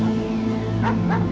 aku mau ke rumah